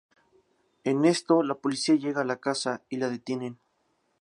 En esto, la policía llega a la casa y la detienen.